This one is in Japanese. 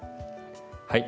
はい。